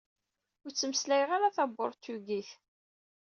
Ur ttmeslayeɣ ara taburtugit.